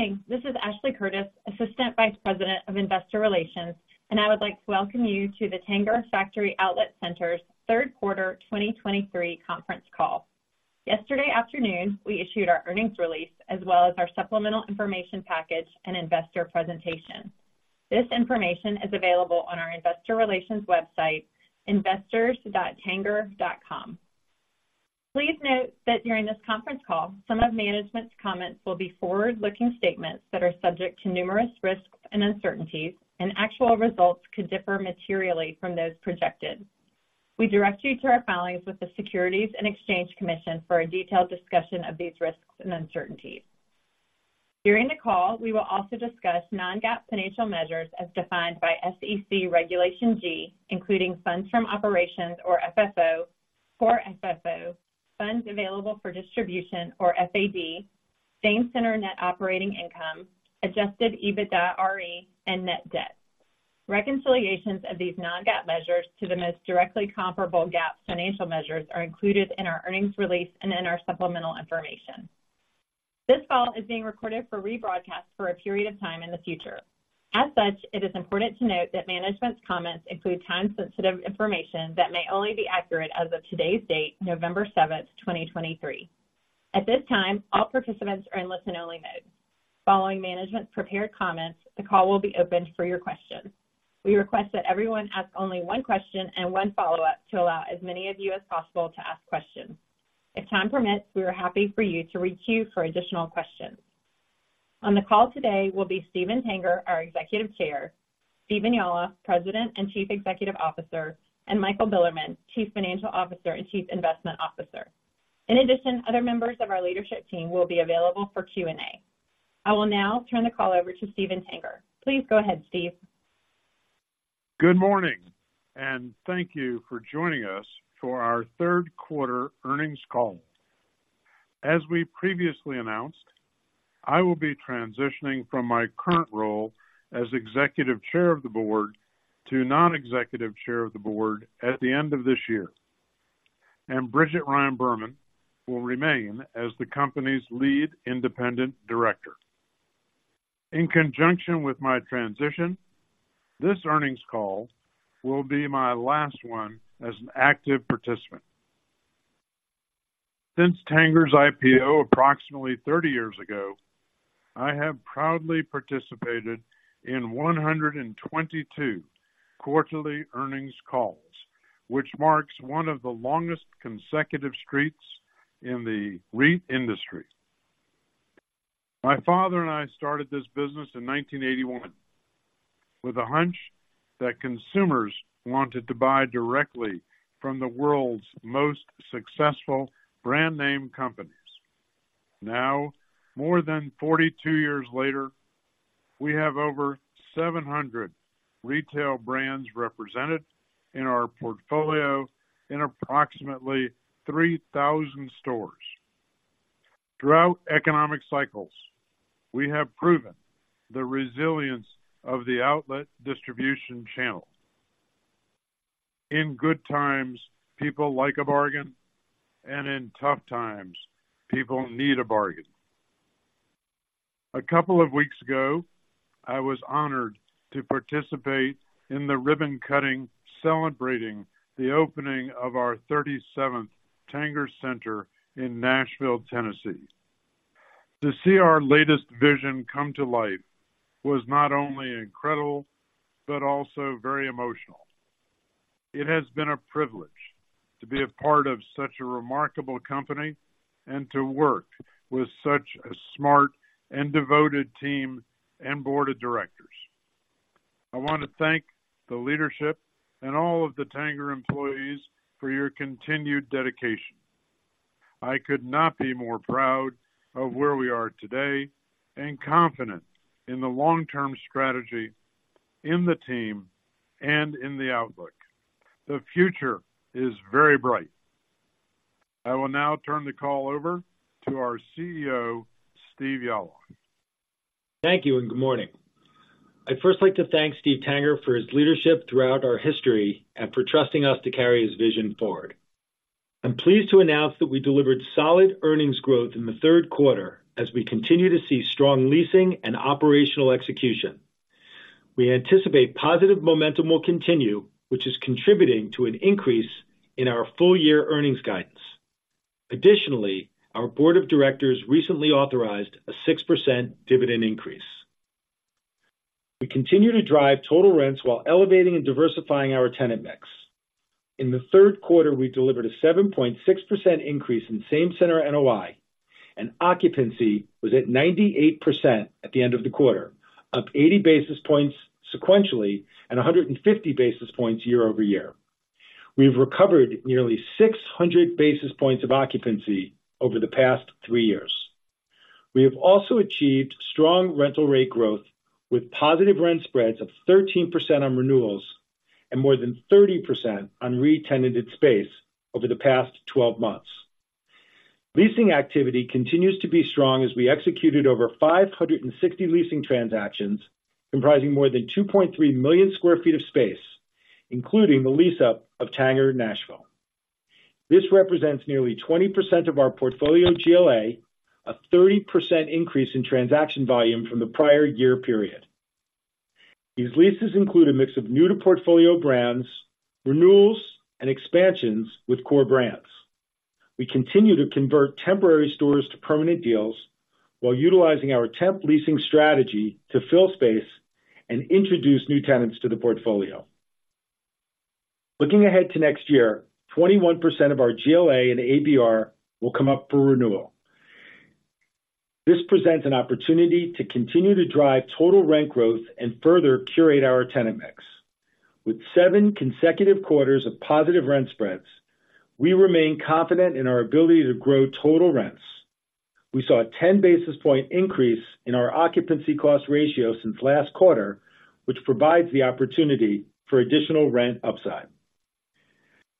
Good morning. This is Ashley Curtis, Assistant Vice President of Investor Relations, and I would like to welcome you to the Tanger Factory Outlet Centers' third quarter 2023 conference call. Yesterday afternoon, we issued our earnings release, as well as our supplemental information package and investor presentation. This information is available on our investor relations website, investors.tanger.com. Please note that during this conference call, some of management's comments will be forward-looking statements that are subject to numerous risks and uncertainties, and actual results could differ materially from those projected. We direct you to our filings with the Securities and Exchange Commission for a detailed discussion of these risks and uncertainties. During the call, we will also discuss Non-GAAP financial measures as defined by SEC Regulation G, including funds from operations or FFO, core FFO, funds available for distribution or FAD, same center net operating income, adjusted EBITDAre, and net debt. Reconciliations of these Non-GAAP measures to the most directly comparable GAAP financial measures are included in our earnings release and in our supplemental information. This call is being recorded for rebroadcast for a period of time in the future. As such, it is important to note that management's comments include time-sensitive information that may only be accurate as of today's date, November 7, 2023. At this time, all participants are in listen-only mode. Following management's prepared comments, the call will be opened for your questions. We request that everyone ask only one question and one follow-up to allow as many of you as possible to ask questions. If time permits, we are happy for you to re-queue for additional questions. On the call today will be Steven Tanger, our Executive Chair, Stephen Yalof, President and Chief Executive Officer, and Michael Bilerman, Chief Financial Officer and Chief Investment Officer. In addition, other members of our leadership team will be available for Q&A. I will now turn the call over to Steven Tanger. Please go ahead, Steve. Good morning, and thank you for joining us for our third quarter earnings call. As we previously announced, I will be transitioning from my current role as Executive Chair of the Board to non-executive Chair of the Board at the end of this year, and Bridget Ryan-Berman will remain as the company's Lead Independent Director. In conjunction with my transition, this earnings call will be my last one as an active participant. Since Tanger's IPO, approximately 30 years ago, I have proudly participated in 122 quarterly earnings calls, which marks one of the longest consecutive streaks in the REIT industry. My father and I started this business in 1981 with a hunch that consumers wanted to buy directly from the world's most successful brand name companies. Now, more than 42 years later, we have over 700 retail brands represented in our portfolio in approximately 3,000 stores. Throughout economic cycles, we have proven the resilience of the outlet distribution channel. In good times, people like a bargain, and in tough times, people need a bargain. A couple of weeks ago, I was honored to participate in the ribbon-cutting, celebrating the opening of our 37th Tanger Center in Nashville, Tennessee. To see our latest vision come to life was not only incredible, but also very emotional. It has been a privilege to be a part of such a remarkable company and to work with such a smart and devoted team and board of directors. I want to thank the leadership and all of the Tanger employees for your continued dedication. I could not be more proud of where we are today and confident in the long-term strategy in the team and in the outlook. The future is very bright. I will now turn the call over to our CEO, Steve Yalof. Thank you, and good morning. I'd first like to thank Steve Tanger for his leadership throughout our history and for trusting us to carry his vision forward. I'm pleased to announce that we delivered solid earnings growth in the third quarter as we continue to see strong leasing and operational execution. We anticipate positive momentum will continue, which is contributing to an increase in our full-year earnings guidance. Additionally, our board of directors recently authorized a 6% dividend increase. We continue to drive total rents while elevating and diversifying our tenant mix. In the third quarter, we delivered a 7.6% increase in Same Center NOI, and occupancy was at 98% at the end of the quarter, up 80 basis points sequentially and 150 basis points year-over-year. We've recovered nearly 600 basis points of occupancy over the past three years. We have also achieved strong rental rate growth, with positive rent spreads of 13% on renewals and more than 30% on retenanted space over the past 12 months. Leasing activity continues to be strong as we executed over 560 leasing transactions, comprising more than 2.3 million sq ft of space, including the lease-up of Tanger Nashville.... This represents nearly 20% of our portfolio GLA, a 30% increase in transaction volume from the prior year period. These leases include a mix of new to portfolio brands, renewals, and expansions with core brands. We continue to convert temporary stores to permanent deals while utilizing our temp leasing strategy to fill space and introduce new tenants to the portfolio. Looking ahead to next year, 21% of our GLA and ABR will come up for renewal. This presents an opportunity to continue to drive total rent growth and further curate our tenant mix. With seven consecutive quarters of positive rent spreads, we remain confident in our ability to grow total rents. We saw a 10 basis point increase in our occupancy cost ratio since last quarter, which provides the opportunity for additional rent upside.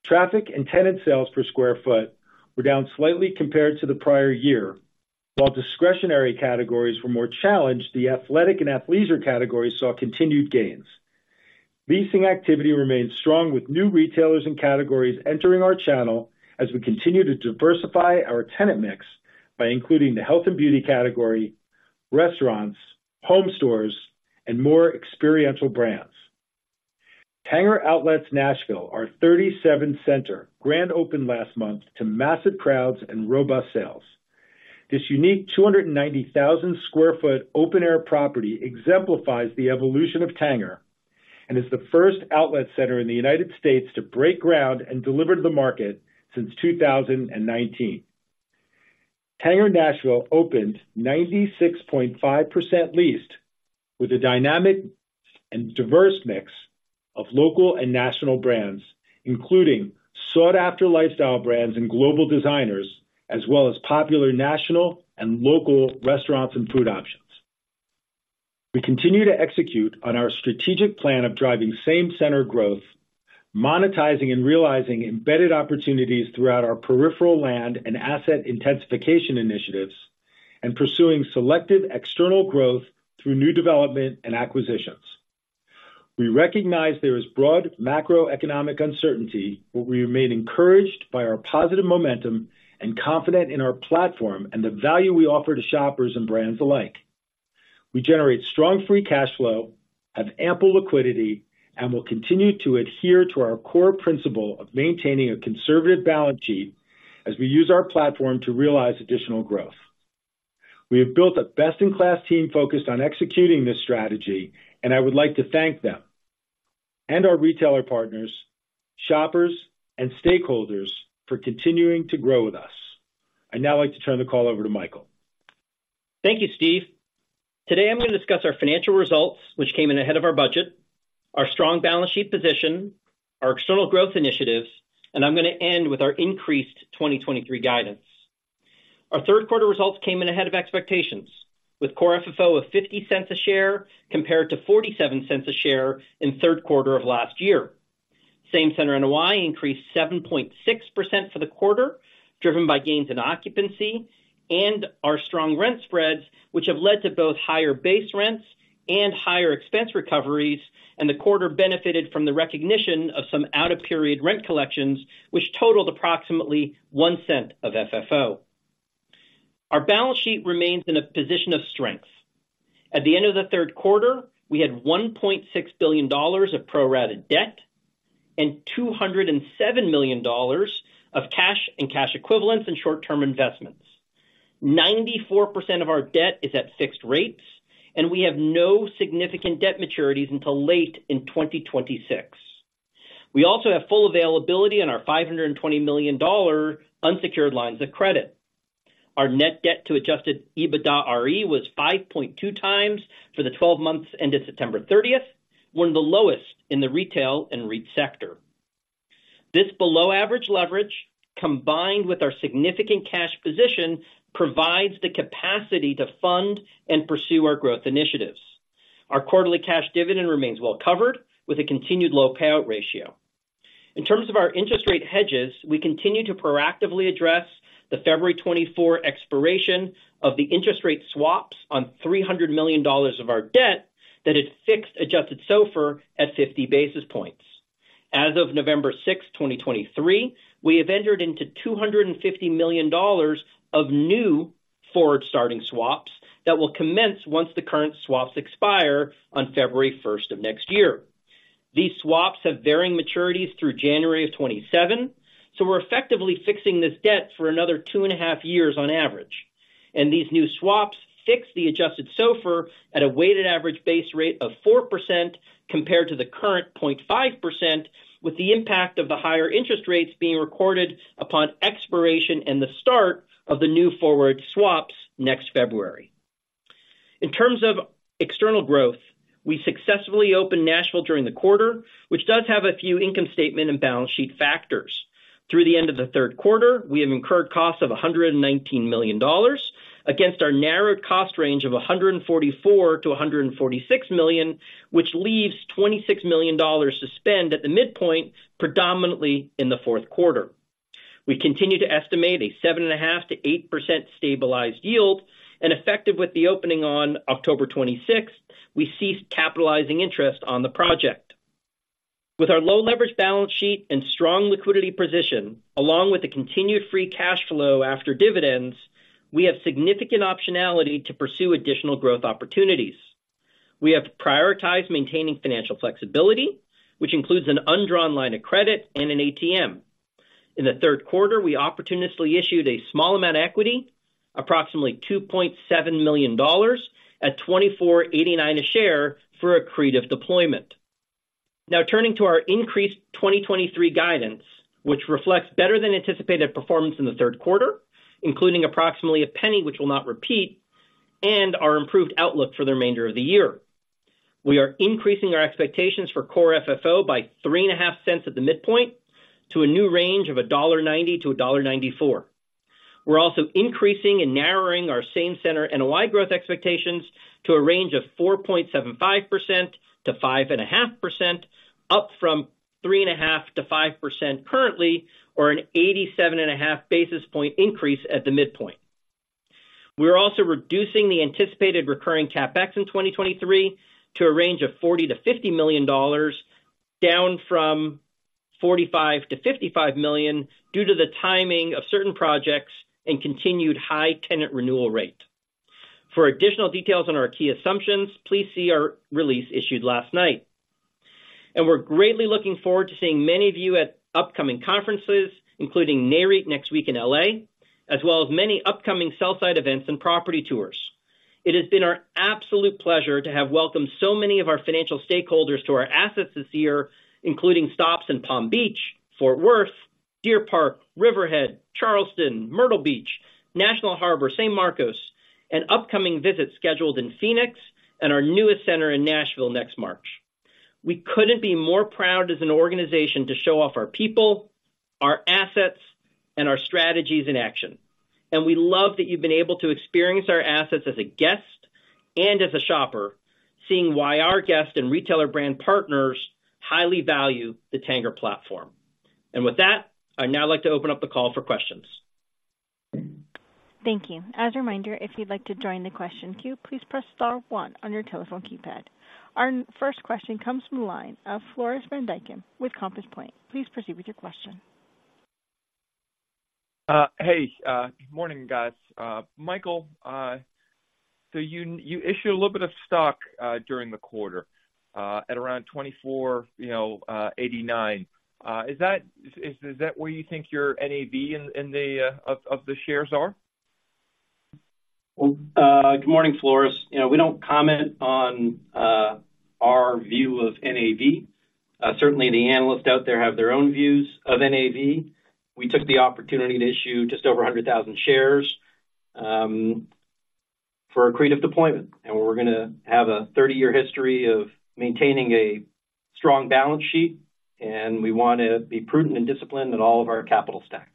Traffic and tenant sales per square foot were down slightly compared to the prior year. While discretionary categories were more challenged, the athletic and athleisure categories saw continued gains. Leasing activity remains strong, with new retailers and categories entering our channel as we continue to diversify our tenant mix by including the health and beauty category, restaurants, home stores, and more experiential brands. Tanger Outlets Nashville, our thirty-seventh center, grand opened last month to massive crowds and robust sales. This unique 290,000 sq ft open-air property exemplifies the evolution of Tanger and is the first outlet center in the United States to break ground and deliver to the market since 2019. Tanger Nashville opened 96.5% leased, with a dynamic and diverse mix of local and national brands, including sought-after lifestyle brands and global designers, as well as popular national and local restaurants and food options. We continue to execute on our strategic plan of driving same center growth, monetizing and realizing embedded opportunities throughout our peripheral land and asset intensification initiatives, and pursuing selective external growth through new development and acquisitions. We recognize there is broad macroeconomic uncertainty, but we remain encouraged by our positive momentum and confident in our platform and the value we offer to shoppers and brands alike. We generate strong free cash flow, have ample liquidity, and will continue to adhere to our core principle of maintaining a conservative balance sheet as we use our platform to realize additional growth. We have built a best-in-class team focused on executing this strategy, and I would like to thank them and our retailer partners, shoppers, and stakeholders for continuing to grow with us. I'd now like to turn the call over to Michael. Thank you, Steve. Today, I'm going to discuss our financial results, which came in ahead of our budget, our strong balance sheet position, our external growth initiatives, and I'm going to end with our increased 2023 guidance. Our third quarter results came in ahead of expectations, with core FFO of $0.50 per share, compared to $0.47 per share in third quarter of last year. Same center NOI increased 7.6% for the quarter, driven by gains in occupancy and our strong rent spreads, which have led to both higher base rents and higher expense recoveries, and the quarter benefited from the recognition of some out-of-period rent collections, which totaled approximately $0.01 of FFO. Our balance sheet remains in a position of strength. At the end of the third quarter, we had $1.6 billion of pro-rata debt and $207 million of cash and cash equivalents and short-term investments. 94% of our debt is at fixed rates, and we have no significant debt maturities until late in 2026. We also have full availability on our $520 million unsecured lines of credit. Our net debt to adjusted EBITDARE was 5.2x for the twelve months ended September thirtieth, one of the lowest in the retail and REIT sector. This below-average leverage, combined with our significant cash position, provides the capacity to fund and pursue our growth initiatives. Our quarterly cash dividend remains well covered, with a continued low payout ratio. In terms of our interest rate hedges, we continue to proactively address the February 2024 expiration of the interest rate swaps on $300 million of our debt that had fixed, adjusted SOFR at 50 basis points. As of November 6th, 2023, we have entered into $250 million of new forward-starting swaps that will commence once the current swaps expire on February 1st of next year. These swaps have varying maturities through January of 2027, so we're effectively fixing this debt for another two and a half years on average. And these new swaps fix the adjusted SOFR at a weighted average base rate of 4% compared to the current point five percent, with the impact of the higher interest rates being recorded upon expiration and the start of the new forward swaps next February. In terms of external growth, we successfully opened Nashville during the quarter, which does have a few income statement and balance sheet factors. Through the end of the third quarter, we have incurred costs of $119 million against our narrowed cost range of $144 million-$146 million, which leaves $26 million to spend at the midpoint, predominantly in the fourth quarter. We continue to estimate a 7.5%-8% stabilized yield, and effective with the opening on October 26th, we ceased capitalizing interest on the project. With our low leverage balance sheet and strong liquidity position, along with the continued free cash flow after dividends, we have significant optionality to pursue additional growth opportunities. We have prioritized maintaining financial flexibility, which includes an undrawn line of credit and an ATM. In the third quarter, we opportunistically issued a small amount of equity, approximately $2.7 million at $24.89 a share, for accretive deployment. Now turning to our increased 2023 guidance, which reflects better than anticipated performance in the third quarter, including approximately $0.01, which will not repeat, and our improved outlook for the remainder of the year. We are increasing our expectations for Core FFO by $0.035 at the midpoint to a new range of $1.90-$1.94. We're also increasing and narrowing our Same Center NOI growth expectations to a range of 4.75%-5.5%, up from 3.5%-5% currently, or an 87.5 basis point increase at the midpoint. We're also reducing the anticipated recurring CapEx in 2023 to a range of $40 million-$50 million, down from $45 million-$55 million, due to the timing of certain projects and continued high tenant renewal rate. For additional details on our key assumptions, please see our release issued last night. We're greatly looking forward to seeing many of you at upcoming conferences, including NAREIT next week in L.A., as well as many upcoming sell-side events and property tours. It has been our absolute pleasure to have welcomed so many of our financial stakeholders to our assets this year, including stops in Palm Beach, Fort Worth, Deer Park, Riverhead, Charleston, Myrtle Beach, National Harbor, San Marcos, and upcoming visits scheduled in Phoenix and our newest center in Nashville next March. We couldn't be more proud as an organization to show off our people, our assets, and our strategies in action, and we love that you've been able to experience our assets as a guest and as a shopper, seeing why our guests and retailer brand partners highly value the Tanger platform. With that, I'd now like to open up the call for questions. Thank you. As a reminder, if you'd like to join the question queue, please press star one on your telephone keypad. Our first question comes from the line of Floris van Dijkum with Compass Point. Please proceed with your question. Hey, good morning, guys. Michael, so you issued a little bit of stock during the quarter at around $24.89, you know. Is that where you think your NAV of the shares are? Well, good morning, Floris. You know, we don't comment on our view of NAV. Certainly, the analysts out there have their own views of NAV. We took the opportunity to issue just over 100,000 shares for accretive deployment, and we're gonna have a 30-year history of maintaining a strong balance sheet, and we want to be prudent and disciplined in all of our capital stack.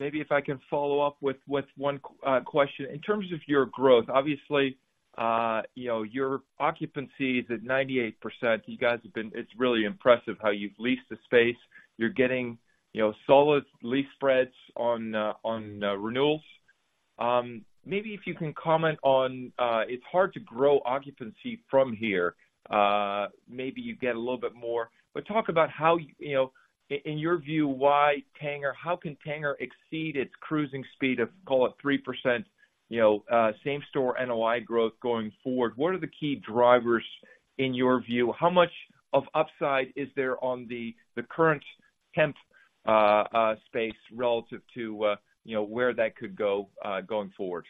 Maybe if I can follow up with one question. In terms of your growth, obviously, you know, your occupancy is at 98%. You guys have been. It's really impressive how you've leased the space. You're getting, you know, solid lease spreads on renewals. Maybe if you can comment on, it's hard to grow occupancy from here. Maybe you get a little bit more. But talk about how, you know, in your view, why Tanger, how can Tanger exceed its cruising speed of, call it, 3%, you know, same store NOI growth going forward? What are the key drivers in your view? How much of upside is there on the current temp space relative to, you know, where that could go going forward?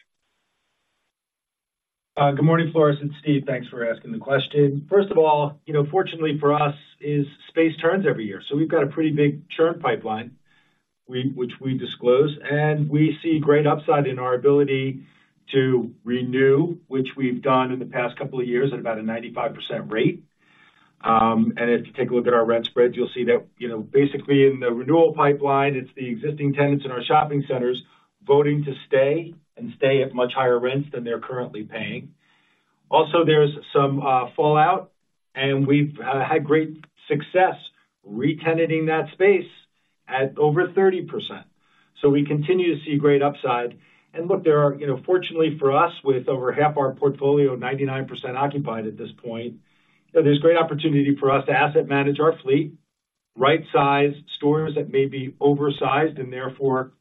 Good morning, Floris, it's Steve. Thanks for asking the question. First of all, you know, fortunately, for us, our space turns every year, so we've got a pretty big churn pipeline, we, which we disclose, and we see great upside in our ability to renew, which we've done in the past couple of years at about a 95% rate. And if you take a look at our rent spreads, you'll see that, you know, basically, in the renewal pipeline, it's the existing tenants in our shopping centers voting to stay, and stay at much higher rents than they're currently paying. Also, there's some fallout, and we've had great success re-tenanting that space at over 30%. So we continue to see great upside. And look, there are. You know, fortunately for us, with over half our portfolio 99% occupied at this point, there's great opportunity for us to asset manage our fleet, right-size stores that may be oversized, and therefore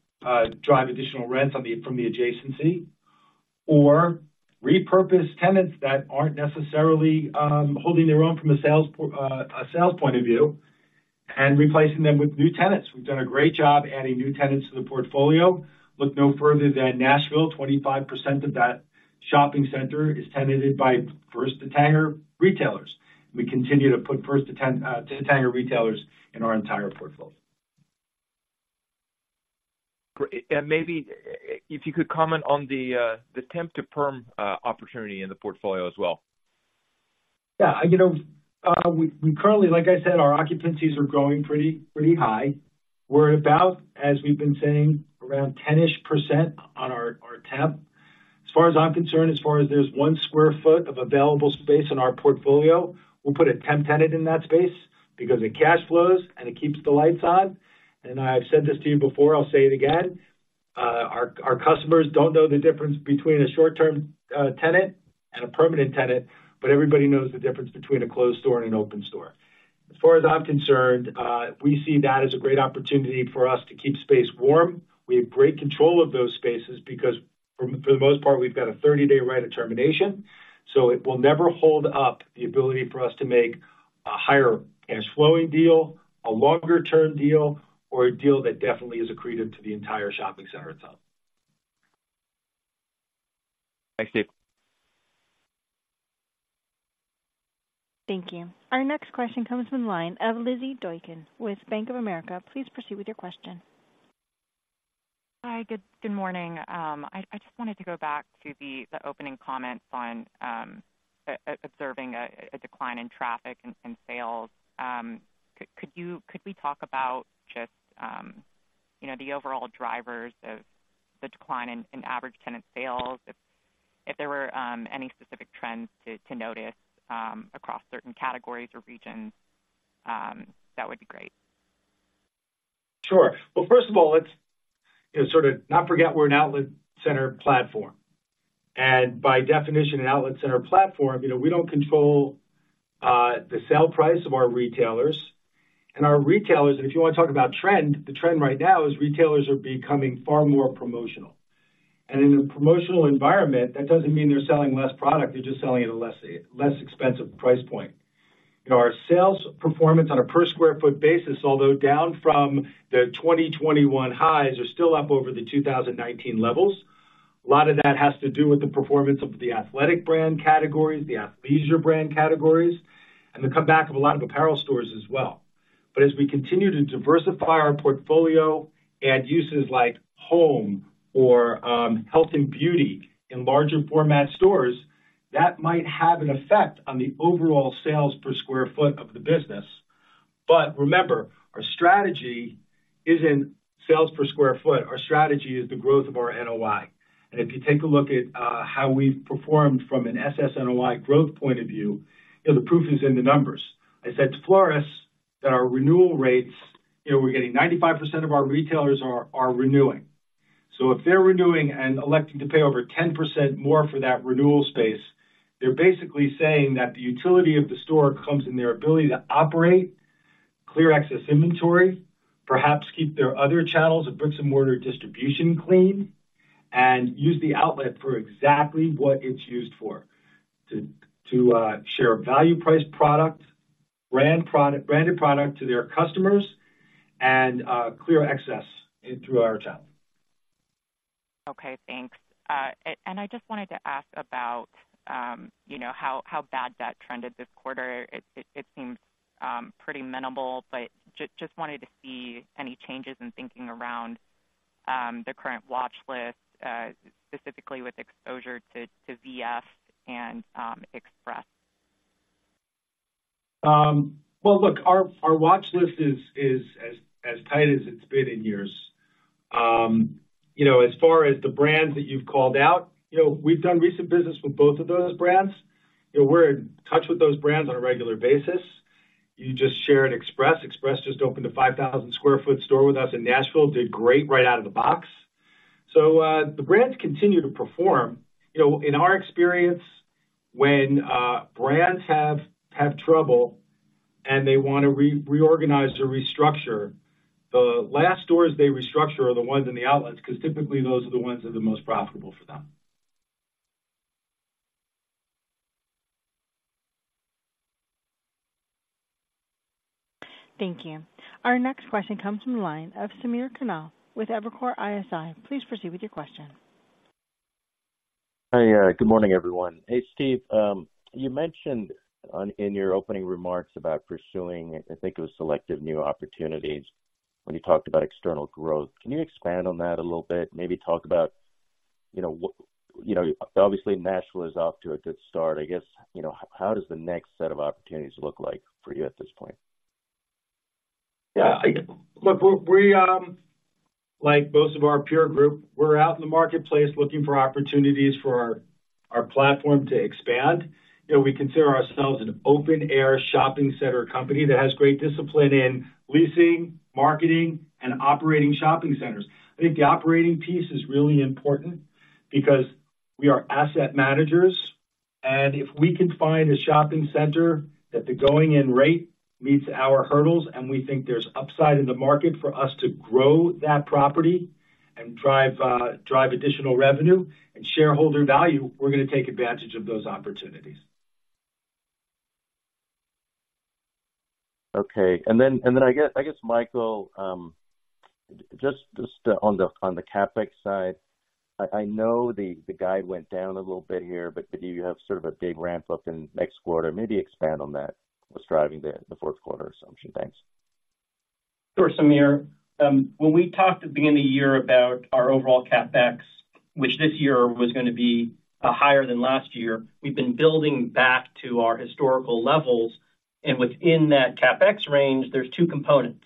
drive additional rents from the adjacency, or repurpose tenants that aren't necessarily holding their own from a sales point of view, and replacing them with new tenants. We've done a great job adding new tenants to the portfolio. Look no further than Nashville. 25% of that shopping center is tenanted by first to Tanger retailers. We continue to put first to Tanger retailers in our entire portfolio. Great. And maybe if you could comment on the, the temp to perm, opportunity in the portfolio as well. Yeah. You know, we currently—like I said, our occupancies are growing pretty, pretty high. We're about, as we've been saying, around 10%-ish on our temp. As far as I'm concerned, as far as there's 1 sq ft of available space in our portfolio, we'll put a temp tenant in that space because it cash flows, and it keeps the lights on. And I've said this to you before, I'll say it again.... our, our customers don't know the difference between a short-term tenant and a permanent tenant, but everybody knows the difference between a closed store and an open store. As far as I'm concerned, we see that as a great opportunity for us to keep space warm. We have great control of those spaces because for, for the most part, we've got a thirty-day right of termination, so it will never hold up the ability for us to make a higher cash flowing deal, a longer-term deal, or a deal that definitely is accretive to the entire shopping center itself. Thanks, Steve. Thank you. Our next question comes from the line of Lizzy Doykan with Bank of America. Please proceed with your question. Hi, good morning. I just wanted to go back to the opening comments on observing a decline in traffic and sales. Could we talk about just, you know, the overall drivers of the decline in average tenant sales, if there were any specific trends to notice across certain categories or regions, that would be great. Sure. Well, first of all, let's, you know, sort of not forget we're an outlet center platform. And by definition, an outlet center platform, you know, we don't control the sale price of our retailers. And our retailers, if you want to talk about trend, the trend right now is retailers are becoming far more promotional. And in a promotional environment, that doesn't mean they're selling less product, they're just selling at a less, less expensive price point. You know, our sales performance on a per square foot basis, although down from the 2021 highs, are still up over the 2019 levels. A lot of that has to do with the performance of the athletic brand categories, the athleisure brand categories, and the comeback of a lot of apparel stores as well. But as we continue to diversify our portfolio, add uses like home or health and beauty in larger format stores, that might have an effect on the overall sales per square foot of the business. But remember, our strategy isn't sales per square foot. Our strategy is the growth of our NOI. And if you take a look at how we've performed from an SSNOI growth point of view, you know, the proof is in the numbers. I said to Floris that our renewal rates, you know, we're getting 95% of our retailers are renewing. So if they're renewing and electing to pay over 10% more for that renewal space, they're basically saying that the utility of the store comes in their ability to operate, clear excess inventory, perhaps keep their other channels of bricks and mortar distribution clean, and use the outlet for exactly what it's used for: to share value price product, branded product to their customers, and clear excess through our channel. Okay, thanks. And I just wanted to ask about, you know, how bad that trended this quarter. It seems pretty minimal, but just wanted to see any changes in thinking around the current watch list, specifically with exposure to VF and Express. Well, look, our watch list is as tight as it's been in years. You know, as far as the brands that you've called out, you know, we've done recent business with both of those brands. You know, we're in touch with those brands on a regular basis. You just shared Express. Express just opened a 5,000 sq ft store with us in Nashville, did great right out of the box. So, the brands continue to perform. You know, in our experience, when brands have trouble and they want to reorganize or restructure, the last stores they restructure are the ones in the outlets, because typically those are the ones that are the most profitable for them. Thank you. Our next question comes from the line of Samir Khanal with Evercore ISI. Please proceed with your question. Hi, good morning, everyone. Hey, Steve, you mentioned in your opening remarks about pursuing, I think it was selective new opportunities when you talked about external growth. Can you expand on that a little bit? Maybe talk about, you know, what you know, obviously, Nashville is off to a good start. I guess, you know, how does the next set of opportunities look like for you at this point? Yeah, look, we, like most of our peer group, we're out in the marketplace looking for opportunities for our platform to expand. You know, we consider ourselves an open air shopping center company that has great discipline in leasing, marketing, and operating shopping centers. I think the operating piece is really important because we are asset managers, and if we can find a shopping center that the going-in rate meets our hurdles, and we think there's upside in the market for us to grow that property and drive, drive additional revenue and shareholder value, we're going to take advantage of those opportunities. Okay. Then I guess, Michael, just on the CapEx side, I know the guide went down a little bit here, but did you have sort of a big ramp up in next quarter? Maybe expand on that, what's driving the fourth quarter assumption. Thanks. Sure, Samir. When we talked at the beginning of the year about our overall CapEx, which this year was going to be higher than last year, we've been building back to our historical levels, and within that CapEx range, there's two components.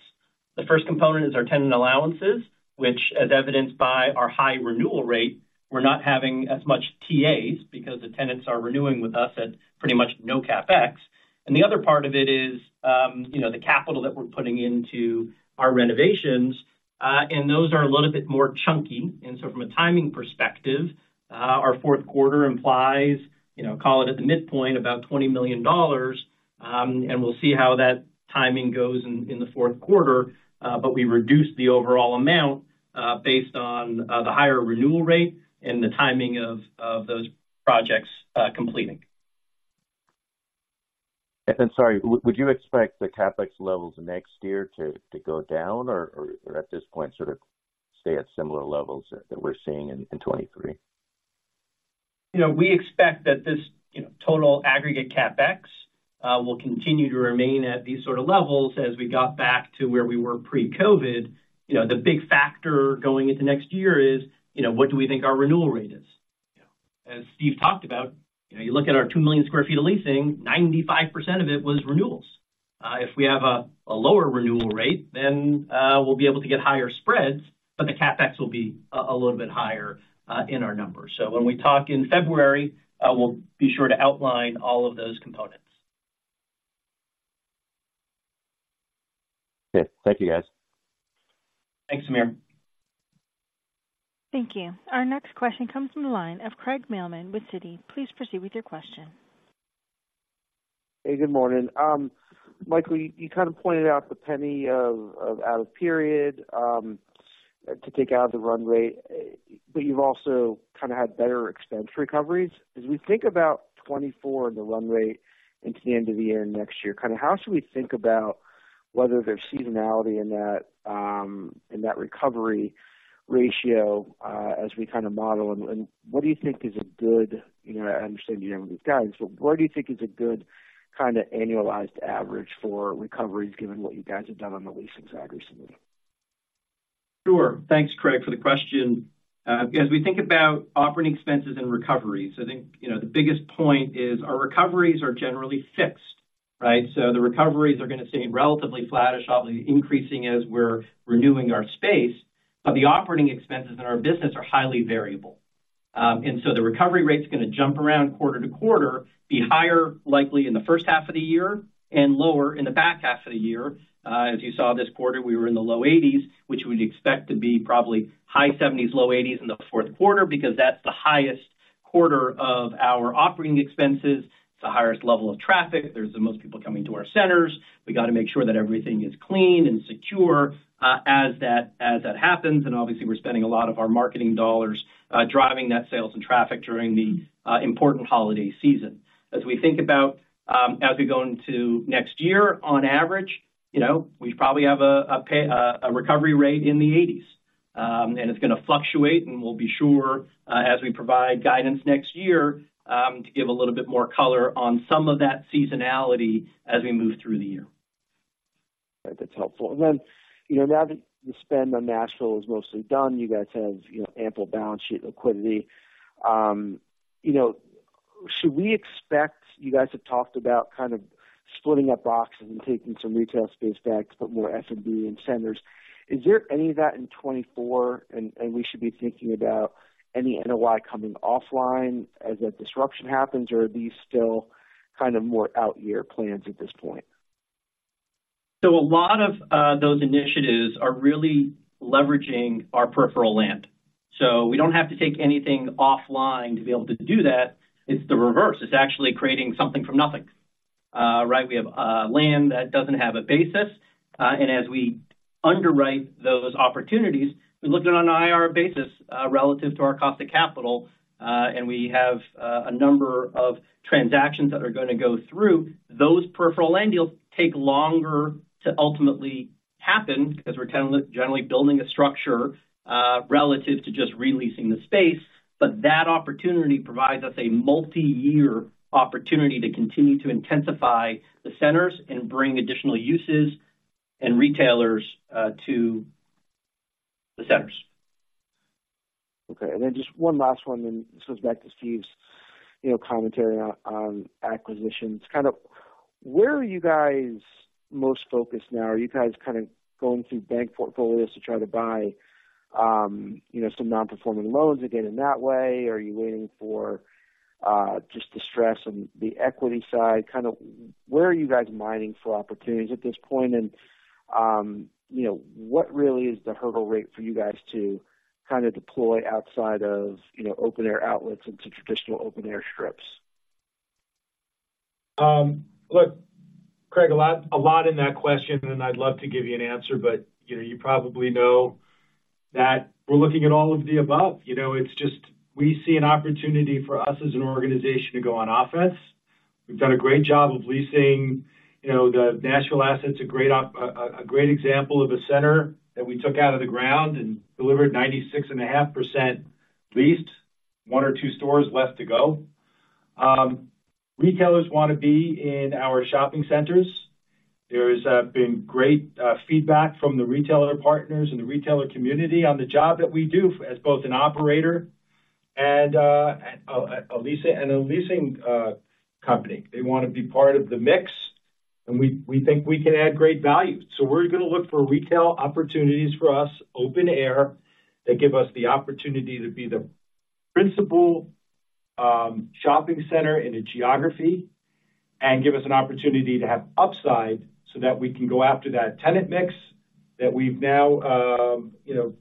The first component is our tenant allowances, which, as evidenced by our high renewal rate, we're not having as much TAs because the tenants are renewing with us at pretty much no CapEx. And the other part of it is, you know, the capital that we're putting into our renovations, and those are a little bit more chunky. And so from a timing perspective, our fourth quarter implies, you know, call it at the midpoint, about $20 million. We'll see how that timing goes in the fourth quarter, but we reduced the overall amount based on the higher renewal rate and the timing of those projects completing. And then, sorry, would you expect the CapEx levels next year to go down or, at this point, sort of stay at similar levels that we're seeing in 2023? You know, we expect that this, you know, total aggregate CapEx will continue to remain at these sort of levels as we got back to where we were pre-COVID. You know, the big factor going into next year is, you know, what do we think our renewal rate is? As Steve talked about, you know, you look at our 2 million sq ft of leasing, 95% of it was renewals. If we have a lower renewal rate, then we'll be able to get higher spreads, but the CapEx will be a little bit higher in our numbers. So when we talk in February, we'll be sure to outline all of those components. Okay. Thank you, guys. Thanks, Amir. Thank you. Our next question comes from the line of Craig Mailman with Citi. Please proceed with your question. Hey, good morning. Michael, you kind of pointed out the penny out of period to take out of the run rate, but you've also kind of had better expense recoveries. As we think about 2024 and the run rate into the end of the year next year, kind of how should we think about whether there's seasonality in that recovery ratio as we kind of model them? And what do you think is a good... You know, I understand you don't have guidance, but what do you think is a good kind of annualized average for recoveries, given what you guys have done on the leasing side recently? Sure. Thanks, Craig, for the question. As we think about operating expenses and recoveries, I think, you know, the biggest point is our recoveries are generally fixed, right? So the recoveries are gonna stay relatively flattish, obviously, increasing as we're renewing our space, but the operating expenses in our business are highly variable. And so the recovery rate is gonna jump around quarter to quarter, be higher, likely in the first half of the year and lower in the back half of the year. As you saw this quarter, we were in the low 80s%, which we'd expect to be probably high 70s%, low 80s% in the fourth quarter, because that's the highest quarter of our operating expenses. It's the highest level of traffic. There's the most people coming to our centers. We got to make sure that everything is clean and secure, as that happens. And obviously, we're spending a lot of our marketing dollars driving net sales and traffic during the important holiday season. As we think about as we go into next year, on average, you know, we probably have a recovery rate in the eighties. And it's gonna fluctuate, and we'll be sure as we provide guidance next year to give a little bit more color on some of that seasonality as we move through the year. Right, that's helpful. And then, you know, now that the spend on Nashville is mostly done, you guys have, you know, ample balance sheet liquidity. You know, should we expect - you guys have talked about kind of splitting up boxes and taking some retail space back to put more SMB in centers. Is there any of that in 2024, and, and we should be thinking about any NOI coming offline as that disruption happens, or are these still kind of more out year plans at this point? So a lot of those initiatives are really leveraging our peripheral land. So we don't have to take anything offline to be able to do that. It's the reverse. It's actually creating something from nothing. Right? We have land that doesn't have a basis, and as we underwrite those opportunities, we look at it on an IR basis, relative to our cost of capital, and we have a number of transactions that are gonna go through. Those peripheral land deals take longer to ultimately happen because we're kind of generally building a structure, relative to just releasing the space, but that opportunity provides us a multi-year opportunity to continue to intensify the centers and bring additional uses and retailers to the centers. Okay, and then just one last one, and this goes back to Steve's, you know, commentary on, on acquisitions. Kind of where are you guys most focused now? Are you guys kind of going through bank portfolios to try to buy, you know, some non-performing loans to get in that way? Are you waiting for, just the stress on the equity side? Kind of where are you guys mining for opportunities at this point? And, you know, what really is the hurdle rate for you guys to kind of deploy outside of, you know, open-air outlets into traditional open-air strips? Look, Craig, a lot, a lot in that question, and I'd love to give you an answer, but, you know, you probably know that we're looking at all of the above. You know, it's just, we see an opportunity for us as an organization to go on offense. We've done a great job of leasing, you know, the Nashville asset's a great example of a center that we took out of the ground and delivered 96.5% leased, one or two stores left to go. Retailers want to be in our shopping centers. There has been great feedback from the retailer partners and the retailer community on the job that we do as both an operator and a leasing company. They want to be part of the mix, and we, we think we can add great value. So we're going to look for retail opportunities for us, open air, that give us the opportunity to be the principal shopping center in a geography and give us an opportunity to have upside so that we can go after that tenant mix that we've now, you know,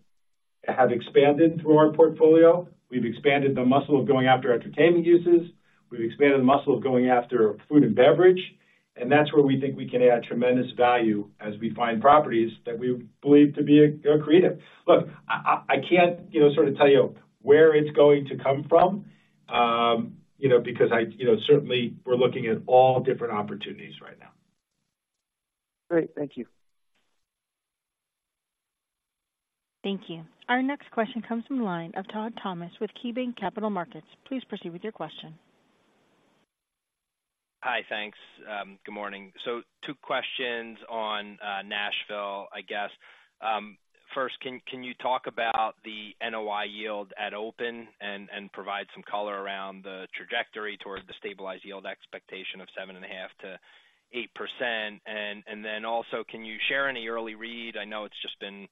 have expanded through our portfolio. We've expanded the muscle of going after entertainment uses. We've expanded the muscle of going after food and beverage, and that's where we think we can add tremendous value as we find properties that we believe to be creative. Look, I can't, you know, sort of tell you where it's going to come from, you know, because you know, certainly we're looking at all different opportunities right now. Great. Thank you. Thank you. Our next question comes from the line of Todd Thomas with KeyBanc Capital Markets. Please proceed with your question. Hi, thanks. Good morning. Two questions on, Nashville, I guess. First, can, can you talk about the NOI yield at open and, and provide some color around the trajectory towards the stabilized yield expectation of 7.5%-8%? And, and then also, can you share any early read? I know it's just been,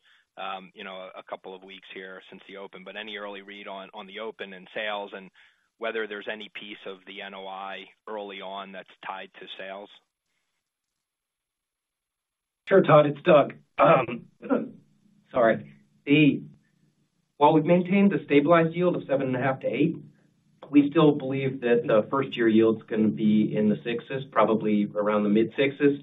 you know, a couple of weeks here since the open, but any early read on, on the open and sales and whether there's any piece of the NOI early on that's tied to sales? Sure, Todd, it's Doug. Sorry. While we've maintained a stabilized yield of 7.5-8, we still believe that the first-year yield is gonna be in the sixes, probably around the mid-sixes.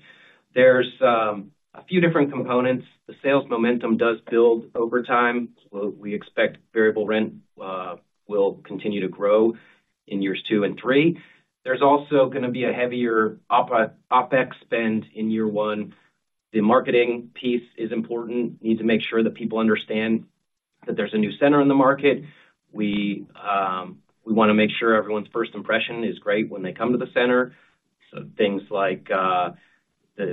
There's a few different components. The sales momentum does build over time. So we expect variable rent will continue to grow in years two and three. There's also gonna be a heavier OpEx spend in year one. The marketing piece is important. Need to make sure that people understand that there's a new center in the market. We wanna make sure everyone's first impression is great when they come to the center. Things like, the, you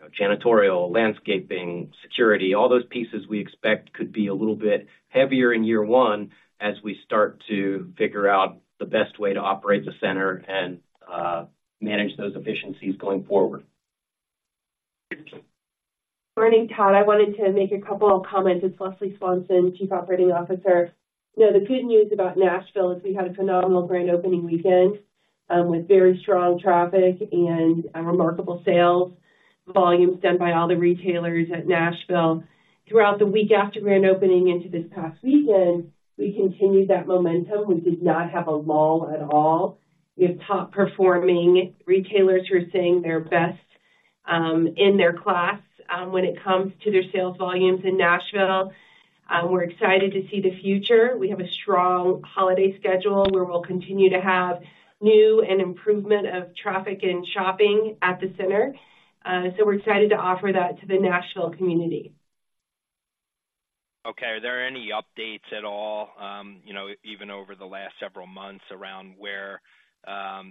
know, janitorial, landscaping, security, all those pieces we expect could be a little bit heavier in year one as we start to figure out the best way to operate the center and, manage those efficiencies going forward. Morning, Todd. I wanted to make a couple of comments. It's Leslie Swanson, Chief Operating Officer. You know, the good news about Nashville is we had a phenomenal grand opening weekend, with very strong traffic and, remarkable sales volumes done by all the retailers at Nashville. Throughout the week after grand opening into this past weekend, we continued that momentum. We did not have a lull at all. We have top-performing retailers who are saying they're best, in their class, when it comes to their sales volumes in Nashville. We're excited to see the future. We have a strong holiday schedule where we'll continue to have new and improvement of traffic and shopping at the center. So we're excited to offer that to the Nashville community. Okay. Are there any updates at all, you know, even over the last several months, around where,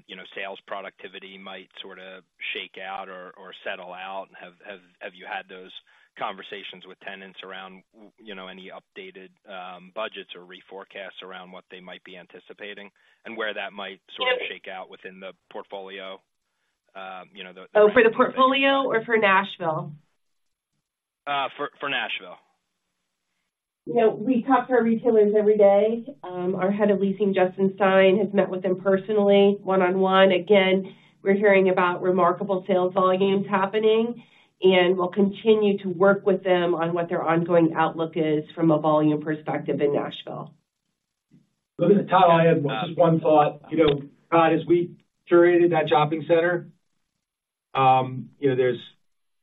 you know, sales productivity might sort of shake out or settle out? Have you had those conversations with tenants around, you know, any updated budgets or reforecast around what they might be anticipating, and where that might sort of shake out within the portfolio, you know, the- Oh, for the portfolio or for Nashville? For Nashville. You know, we talk to our retailers every day. Our Head of Leasing, Justin Stein, has met with them personally, one-on-one. Again, we're hearing about remarkable sales volumes happening, and we'll continue to work with them on what their ongoing outlook is from a volume perspective in Nashville. Look, Todd, I have just one thought. You know, Todd, as we curated that shopping center, you know, there's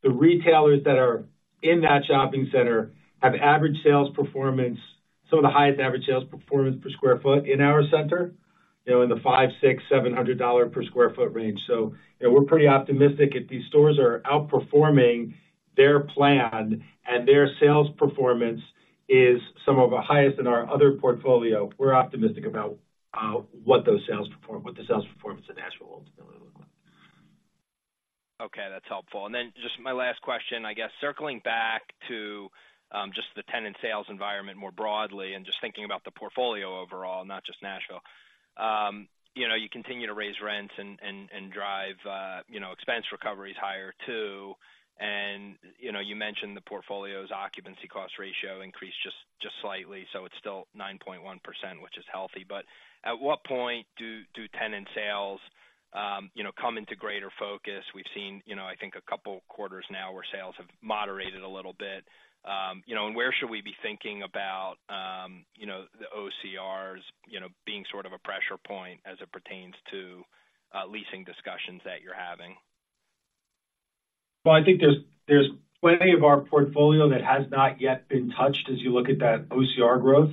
the retailers that are in that shopping center have average sales performance, some of the highest average sales performance per sq ft in our center, you know, in the $500-$700 per sq ft range. So, you know, we're pretty optimistic. If these stores are outperforming their plan and their sales performance is some of the highest in our other portfolio, we're optimistic about what the sales performance in Nashville will ultimately look like. Okay, that's helpful. And then just my last question, I guess, circling back to, just the tenant sales environment more broadly, and just thinking about the portfolio overall, not just Nashville. You know, you continue to raise rents and, and drive, you know, expense recoveries higher, too. And, you know, you mentioned the portfolio's Occupancy Cost Ratio increased just slightly, so it's still 9.1%, which is healthy. But at what point do tenant sales, you know, come into greater focus? We've seen, you know, I think a couple quarters now where sales have moderated a little bit. You know, and where should we be thinking about, you know, the OCRs, you know, being sort of a pressure point as it pertains to, leasing discussions that you're having? Well, I think there's plenty of our portfolio that has not yet been touched as you look at that OCR growth.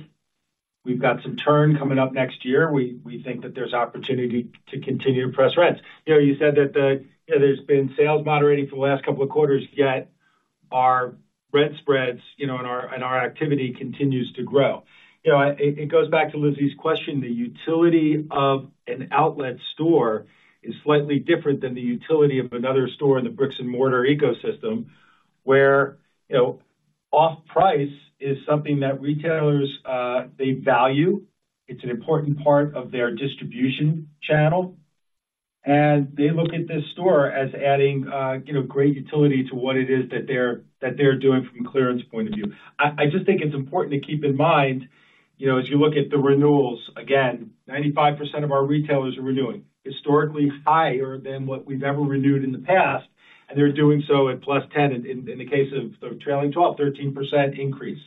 We've got some turn coming up next year. We think that there's opportunity to continue to press rents. You know, you said that the, you know, there's been sales moderating for the last couple of quarters, yet our rent spreads, you know, and our activity continues to grow. You know, it goes back to Lizzie's question, the utility of an outlet store is slightly different than the utility of another store in the bricks-and-mortar ecosystem, where, you know, off-price is something that retailers, they value. It's an important part of their distribution channel.... and they look at this store as adding, you know, great utility to what it is that they're, that they're doing from a clearance point of view. I just think it's important to keep in mind, you know, as you look at the renewals, again, 95% of our retailers are renewing. Historically higher than what we've ever renewed in the past, and they're doing so at +10%, in, in the case of the trailing twelve, 13% increase.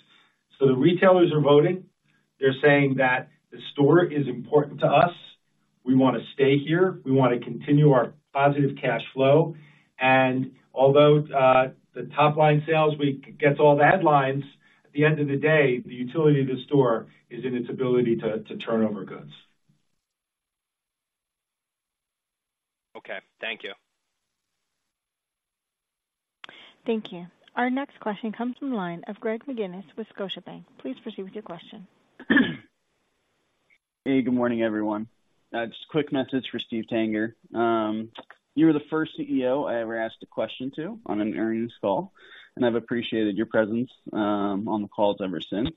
So the retailers are voting. They're saying that the store is important to us. We want to stay here. We want to continue our positive cash flow. And although, the top-line sales week gets all the headlines, at the end of the day, the utility of the store is in its ability to, to turn over goods. Okay, thank you. Thank you. Our next question comes from the line of Greg McGinniss with Scotiabank. Please proceed with your question. Hey, good morning, everyone. Just a quick message for Steven Tanger. You were the first CEO I ever asked a question to on an earnings call, and I've appreciated your presence on the calls ever since.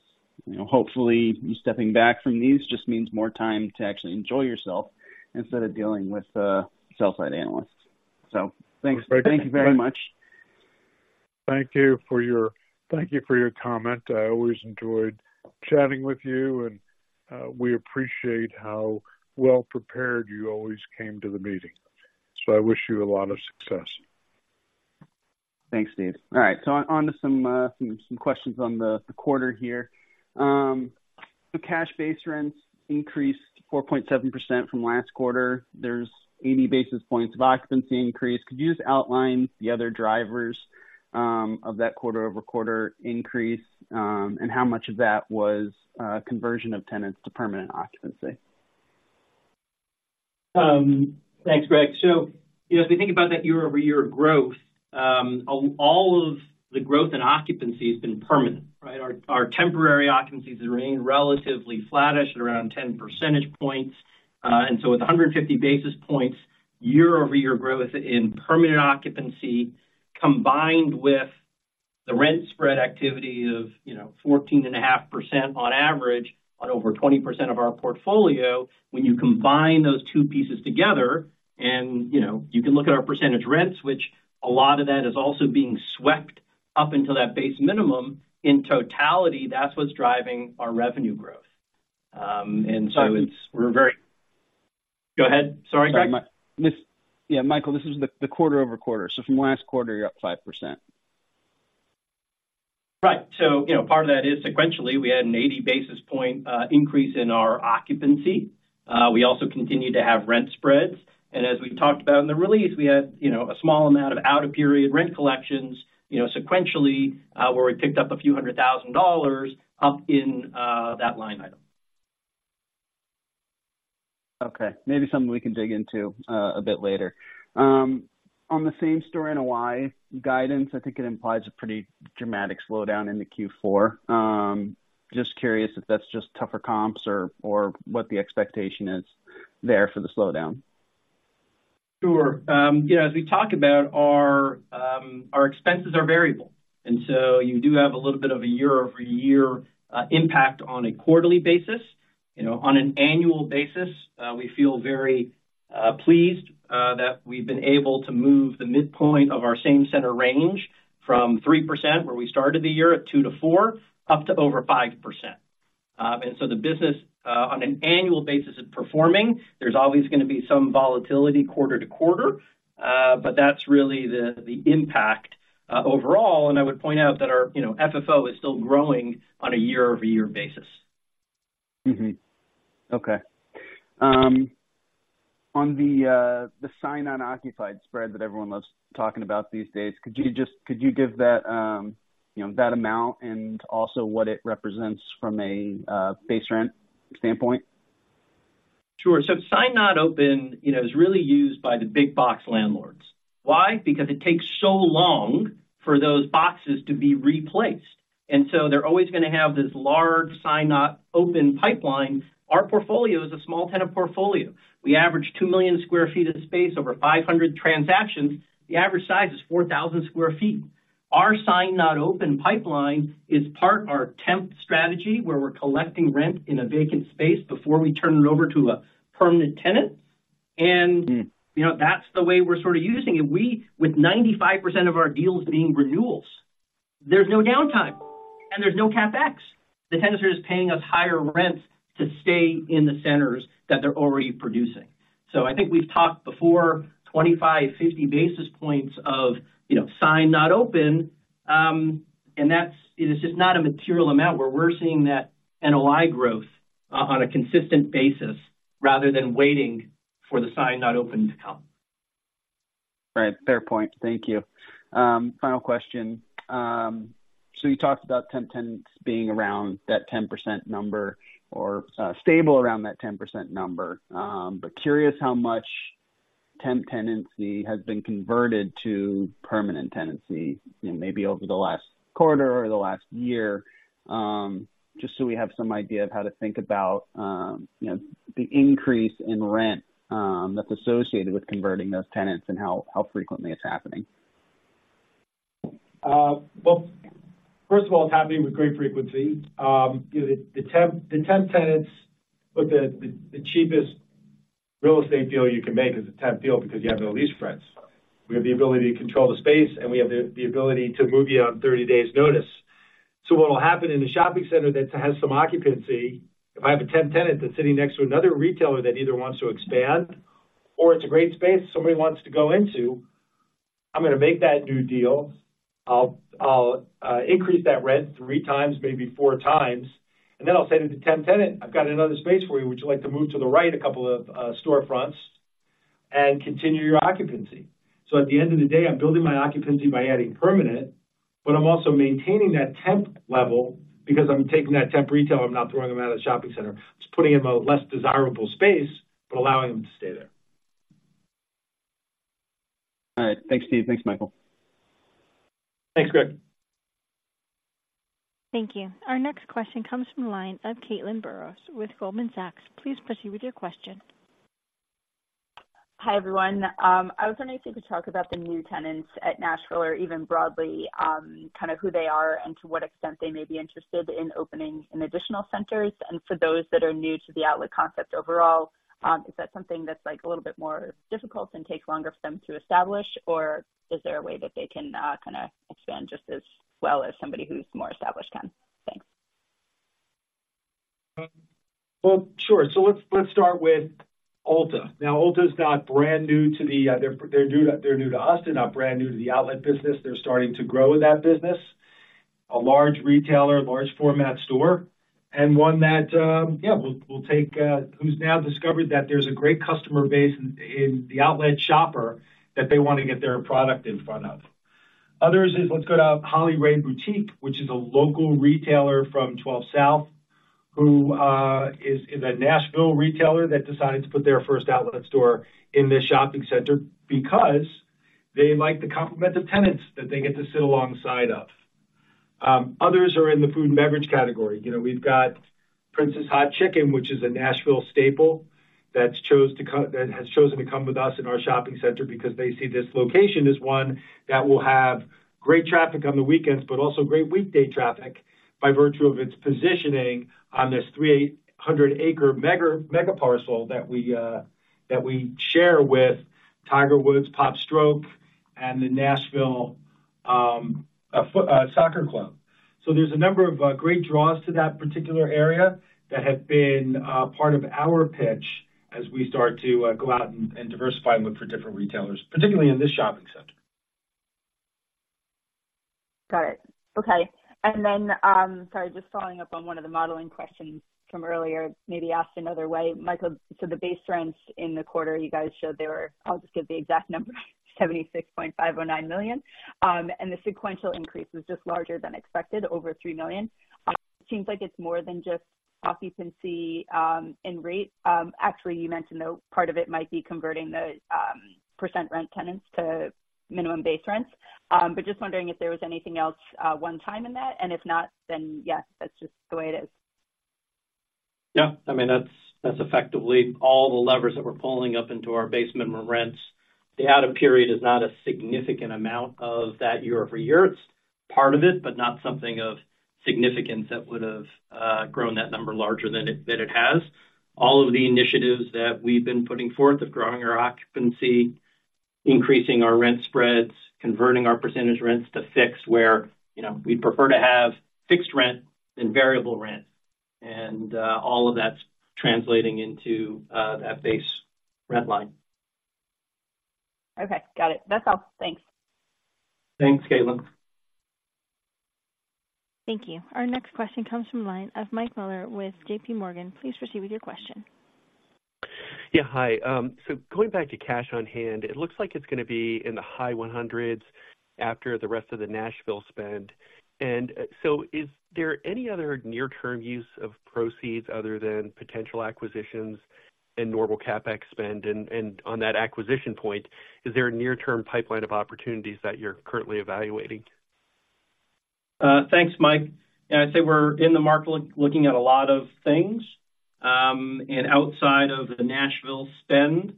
You know, hopefully, you stepping back from these just means more time to actually enjoy yourself instead of dealing with sell-side analysts. So thank you very much. Thank you for your comment. I always enjoyed chatting with you, and we appreciate how well-prepared you always came to the meeting. So I wish you a lot of success. Thanks, Steve. All right, so on to some questions on the quarter here. The cash base rents increased 4.7% from last quarter. There's 80 basis points of occupancy increase. Could you just outline the other drivers of that quarter-over-quarter increase, and how much of that was conversion of tenants to permanent occupancy? Thanks, Greg. So if we think about that year-over-year growth, all of the growth in occupancy has been permanent, right? Our temporary occupancies have remained relatively flattish at around 10 percentage points. And so with 150 basis points, year-over-year growth in permanent occupancy, combined with the rent spread activity of, you know, 14.5% on average on over 20% of our portfolio. When you combine those two pieces together and, you know, you can look at our percentage rents, which a lot of that is also being swept up into that base minimum. In totality, that's what's driving our revenue growth. And so it's- So- We're very... Go ahead. Sorry, Greg. Sorry. Yeah, Michael, this is the quarter-over-quarter. So from last quarter, you're up 5%. Right. So, you know, part of that is sequentially, we had an 80 basis point increase in our occupancy. We also continued to have rent spreads, and as we talked about in the release, we had, you know, a small amount of out-of-period rent collections, you know, sequentially, where we picked up a few hundred thousand dollars up in that line item. Okay, maybe something we can dig into a bit later. On the same store NOI guidance, I think it implies a pretty dramatic slowdown in the Q4. Just curious if that's just tougher comps or, or what the expectation is there for the slowdown. Sure. You know, as we talk about our, our expenses are variable, and so you do have a little bit of a year-over-year impact on a quarterly basis. You know, on an annual basis, we feel very pleased that we've been able to move the midpoint of our same center range from 3%, where we started the year at 2%-4%, up to over 5%. And so the business on an annual basis is performing. There's always going to be some volatility quarter-to-quarter, but that's really the impact overall. And I would point out that our, you know, FFO is still growing on a year-over-year basis. Mm-hmm. Okay. On the, the signed not occupied spread that everyone loves talking about these days, could you just—could you give that, you know, that amount and also what it represents from a base rent standpoint? Sure. So signed not open, you know, is really used by the big box landlords. Why? Because it takes so long for those boxes to be replaced, and so they're always going to have this large signed not open pipeline. Our portfolio is a small tenant portfolio. We average 2 million sq ft of space over 500 transactions. The average size is 4,000 sq ft. Our signed not open pipeline is part of our temp strategy, where we're collecting rent in a vacant space before we turn it over to a permanent tenant. Mm. You know, that's the way we're sort of using it. We, with 95% of our deals being renewals, there's no downtime, and there's no CapEx. The tenants are just paying us higher rents to stay in the centers that they're already producing. So I think we've talked before, 25 basis point-50 basis points of, you know, signed not open, and that's it is just not a material amount where we're seeing that NOI growth on a consistent basis, rather than waiting for the signed not open to come. Right. Fair point. Thank you. Final question. So you talked about temp tenants being around that 10% number or, stable around that 10% number. But curious how much temp tenancy has been converted to permanent tenancy, you know, maybe over the last quarter or the last year. Just so we have some idea of how to think about, you know, the increase in rent, that's associated with converting those tenants and how, how frequently it's happening. Well, first of all, it's happening with great frequency. You know, the temp tenants look at the cheapest real estate deal you can make is a temp deal because you have no lease rents. We have the ability to control the space, and we have the ability to move you on 30 days notice. So what will happen in a shopping center that has some occupancy, if I have a temp tenant that's sitting next to another retailer that either wants to expand or it's a great space somebody wants to go into, I'm gonna make that new deal. I'll increase that rent 3 times, maybe 4 times, and then I'll say to the temp tenant: "I've got another space for you. Would you like to move to the right, a couple of storefronts and continue your occupancy?" So at the end of the day, I'm building my occupancy by adding permanent, but I'm also maintaining that temp level because I'm taking that temp retailer, I'm not throwing them out of the shopping center. Just putting them in a less desirable space, but allowing them to stay there. All right. Thanks, Steve. Thanks, Michael. Thanks, Greg. Thank you. Our next question comes from the line of Caitlin Burrows with Goldman Sachs. Please proceed with your question. Hi, everyone. I was wondering if you could talk about the new tenants at Nashville or even broadly, kind of who they are and to what extent they may be interested in opening in additional centers. For those that are new to the outlet concept overall, is that something that's, like, a little bit more difficult and takes longer for them to establish, or is there a way that they can, kind of expand just as well as somebody who's more established can? Thanks. Well, sure. So let's start with Ulta. Now, Ulta is not brand new to the. They're new to us. They're not brand new to the outlet business. They're starting to grow in that business. A large retailer, large format store, and one that, yeah, will take who's now discovered that there's a great customer base in the outlet shopper that they want to get their product in front of. Others, let's go to Holly Raye's Boutique, which is a local retailer from Twelve South, who is a Nashville retailer that decided to put their first outlet store in this shopping center because they like the complement of tenants that they get to sit alongside of. Others are in the food and beverage category. You know, we've got Prince's Hot Chicken, which is a Nashville staple, that has chosen to come with us in our shopping center because they see this location as one that will have great traffic on the weekends, but also great weekday traffic by virtue of its positioning on this 300-acre mega, mega parcel that we share with Tiger Woods PopStroke and the Nashville Soccer Club. So there's a number of great draws to that particular area that have been part of our pitch as we start to go out and diversify and look for different retailers, particularly in this shopping center. Got it. Okay. And then, sorry, just following up on one of the modeling questions from earlier, maybe asked another way. Michael, so the base rents in the quarter, you guys showed they were... I'll just give the exact number, $76.509 million. And the sequential increase was just larger than expected, over $3 million. It seems like it's more than just occupancy, and rate. Actually, you mentioned, though, part of it might be converting the percent rent tenants to minimum base rents. But just wondering if there was anything else, one time in that, and if not, then, yes, that's just the way it is. Yeah, I mean, that's effectively all the levers that we're pulling up into our base minimum rents. The out-of-period is not a significant amount of that year-over-year. It's part of it, but not something of significance that would've grown that number larger than it has. All of the initiatives that we've been putting forth of growing our occupancy, increasing our rent spreads, converting our percentage rents to fixed, where, you know, we'd prefer to have fixed rent than variable rent. And all of that's translating into that base rent line. Okay, got it. That's all. Thanks. Thanks, Caitlin. Thank you. Our next question comes from the line of Mike Mueller with J.P. Morgan. Please proceed with your question. Yeah, hi. So going back to cash on hand, it looks like it's gonna be in the high $100s after the rest of the Nashville spend. And so is there any other near-term use of proceeds other than potential acquisitions and normal CapEx spend? And on that acquisition point, is there a near-term pipeline of opportunities that you're currently evaluating? Thanks, Mike. I'd say we're in the market looking at a lot of things. And outside of the Nashville spend,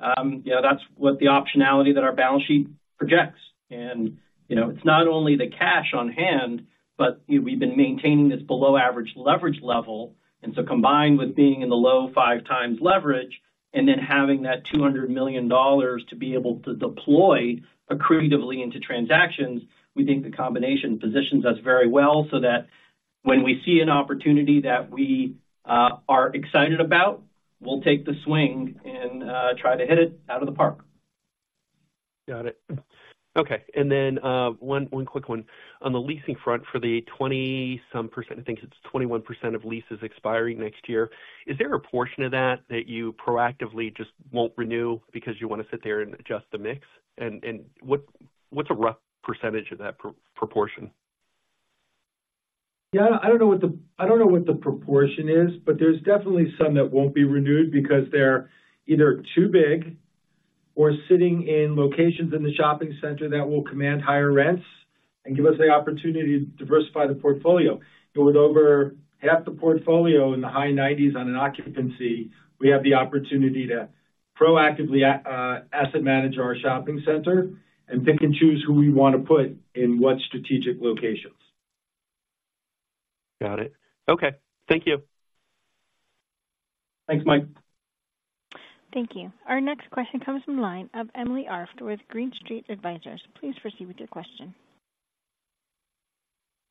yeah, that's what the optionality that our balance sheet projects. And, you know, it's not only the cash on hand, but, you know, we've been maintaining this below average leverage level. And so combined with being in the low 5x leverage and then having that $200 million to be able to deploy accretively into transactions, we think the combination positions us very well so that when we see an opportunity that we are excited about, we'll take the swing and try to hit it out of the park. Got it. Okay, and then one quick one. On the leasing front, for the 20-some%, I think it's 21% of leases expiring next year, is there a portion of that that you proactively just won't renew because you want to sit there and adjust the mix? And what's a rough percentage of that proportion? Yeah, I don't know what the, I don't know what the proportion is, but there's definitely some that won't be renewed because they're either too big or sitting in locations in the shopping center that will command higher rents and give us the opportunity to diversify the portfolio. With over half the portfolio in the high nineties on an occupancy, we have the opportunity to... proactively asset manage our shopping center and pick and choose who we want to put in what strategic locations. Got it. Okay. Thank you. Thanks, Mike. Thank you. Our next question comes from the line of Emily Arft with Green Street Advisors. Please proceed with your question.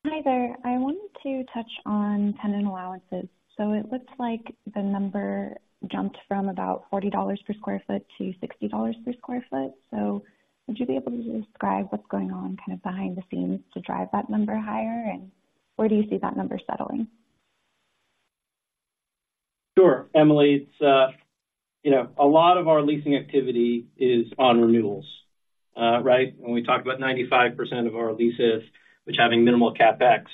Hi there. I wanted to touch on tenant allowances. So it looks like the number jumped from about $40 per sq ft to $60 per sq ft. So would you be able to describe what's going on kind of behind the scenes to drive that number higher? And where do you see that number settling? Sure, Emily. It's, you know, a lot of our leasing activity is on renewals, right? When we talk about 95% of our leases, which having minimal CapEx,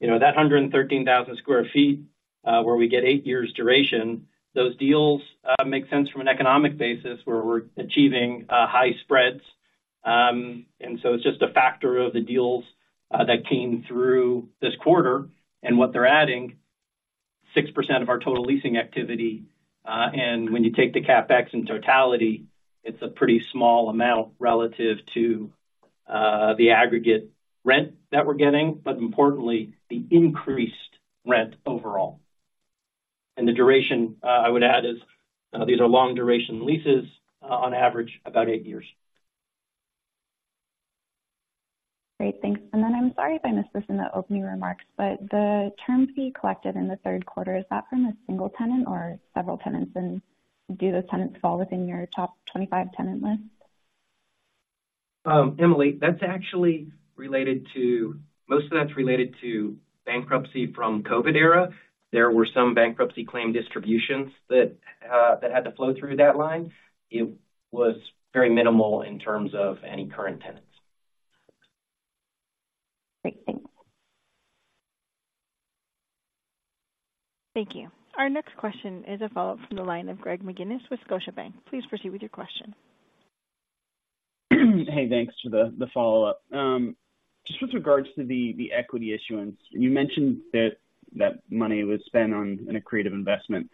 you know, that 113,000 sq ft, where we get eight years duration, those deals, make sense from an economic basis, where we're achieving, high spreads. And so it's just a factor of the deals, that came through this quarter and what they're adding, 6% of our total leasing activity. And when you take the CapEx in totality, it's a pretty small amount relative to, the aggregate rent that we're getting, but importantly, the increased rent overall. And the duration, I would add, is, these are long-duration leases, on average, about eight years. Great, thanks. And then, I'm sorry if I missed this in the opening remarks, but the term fee collected in the third quarter, is that from a single tenant or several tenants? And do those tenants fall within your top 25 tenant list? Emily, that's actually related to most of that's related to bankruptcy from COVID era. There were some bankruptcy claim distributions that that had to flow through that line. It was very minimal in terms of any current tenants. Great. Thanks. Thank you. Our next question is a follow-up from the line of Greg McGinniss with Scotiabank. Please proceed with your question. Hey, thanks for the follow-up. Just with regards to the equity issuance, you mentioned that money was spent on an accretive investment.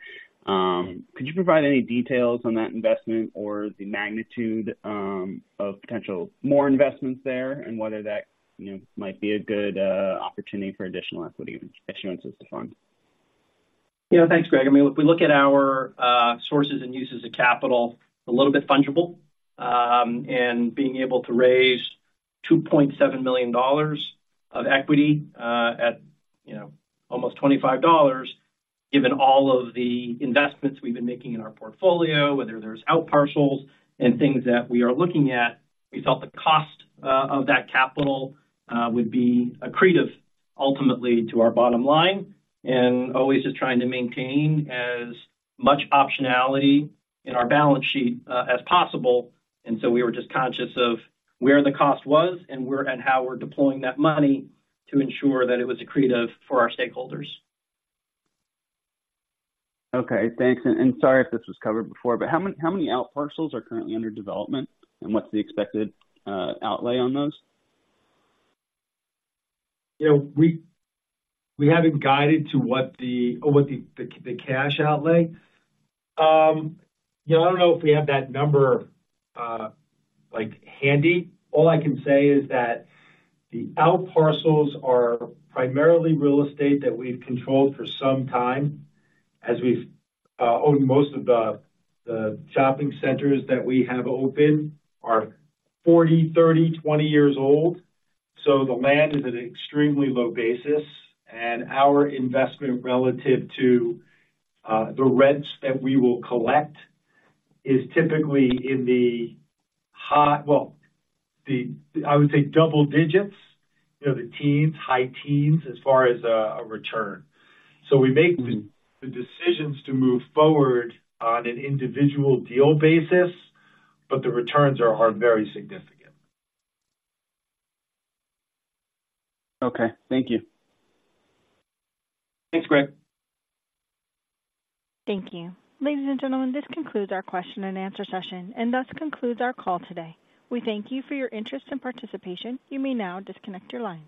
Could you provide any details on that investment or the magnitude of potential more investments there, and whether that, you know, might be a good opportunity for additional equity issuances to fund? Yeah. Thanks, Greg. I mean, if we look at our sources and uses of capital, a little bit fungible. And being able to raise $2.7 million of equity at, you know, almost $25, given all of the investments we've been making in our portfolio, whether there's outparcels and things that we are looking at, we felt the cost of that capital would be accretive ultimately to our bottom line. And always just trying to maintain as much optionality in our balance sheet as possible. And so we were just conscious of where the cost was and how we're deploying that money to ensure that it was accretive for our stakeholders. Okay, thanks. Sorry if this was covered before, but how many outparcels are currently under development, and what's the expected outlay on those? You know, we haven't guided to what the cash outlay. You know, I don't know if we have that number, like, handy. All I can say is that the outparcels are primarily real estate that we've controlled for some time, as we've owned most of the shopping centers that we have opened are 40 years, 30 years, 20 years old. So the land is at an extremely low basis, and our investment relative to the rents that we will collect is typically in the high... Well, I would say double digits, you know, the teens, high teens, as far as a return. So we make the decisions to move forward on an individual deal basis, but the returns are very significant. Okay, thank you. Thanks, Greg. Thank you. Ladies and gentlemen, this concludes our question and answer session and thus concludes our call today. We thank you for your interest and participation. You may now disconnect your line.